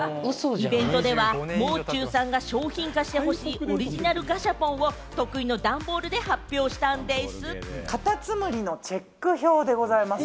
イベントではもう中さんが商品化してほしいオリジナルガシャポンを得意のダンボールで発表したんでぃす。